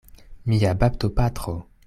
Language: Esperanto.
Mia baptopatro!